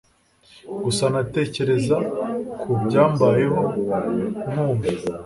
gusa natekereza ku byambayeho nkumva